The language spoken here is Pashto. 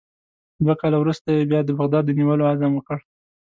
دوه کاله وروسته یې بیا د بغداد د نیولو عزم وکړ.